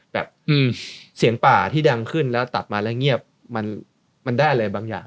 แบบเสียงป่าที่ดังขึ้นแล้วตัดมาแล้วเงียบมันได้อะไรบางอย่าง